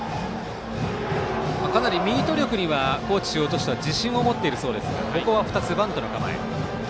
かなりミート力には高知中央としては自信を持っているそうですがここは２つバントの構え。